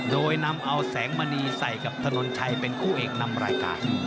โดยนำเอาแสงมณีใส่กับถนนชัยเป็นคู่เอกนำรายการ